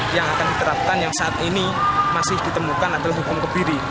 yang akan diterapkan yang saat ini masih ditemukan adalah hukum kebiri